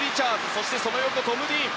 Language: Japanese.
そして、その横トム・ディーン。